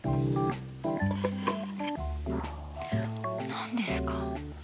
何ですか？